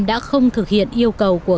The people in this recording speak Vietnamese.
đã không thực hiện yêu cầu của